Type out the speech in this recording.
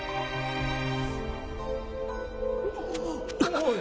おい。